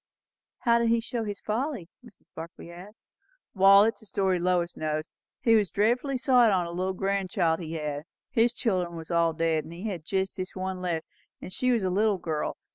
"How did he show his folly?" Mrs. Barclay asked. "Wall, it's a story. Lois knows. He was dreadfully sot on a little grandchild he had; his chil'n was all dead, and he had jest this one left; she was a little girl.